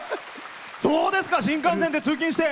そうですか、新幹線で通勤して。